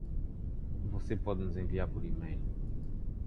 Você pode nos enviar por email.